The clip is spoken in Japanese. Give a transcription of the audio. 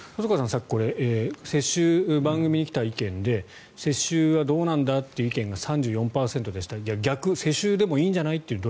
さっき番組に来た意見で世襲はどうなんだって意見が３４％で逆、世襲でもいいんじゃないというのが